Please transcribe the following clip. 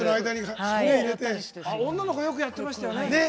女の子よくやってましたよね。